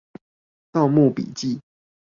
盜墓筆記